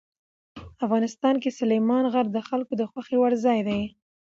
افغانستان کې سلیمان غر د خلکو د خوښې وړ ځای دی.